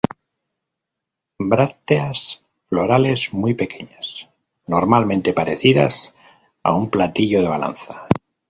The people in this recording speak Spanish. Brácteas florales muy pequeñas, normalmente parecidas a un platillo de balanza.